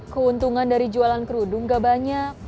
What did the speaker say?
keuntungan dari jualan kerudung gak banyak